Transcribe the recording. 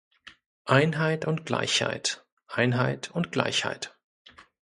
Einheit und Gleichheit, Einheit und Gleichheit.